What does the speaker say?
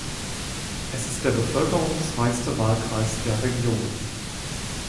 Es ist der bevölkerungsreichste Wahlkreis der Region.